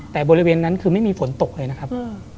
แต่บริเวณนั้นคือไม่มีฝนตกเลยนะครับ